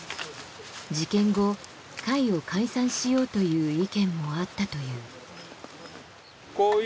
事件後会を解散しようという意見もあったという。